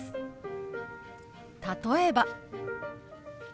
例えば。